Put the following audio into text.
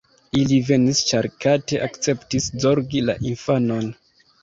Ili venis ĉar Kate akceptis zorgi la infanon.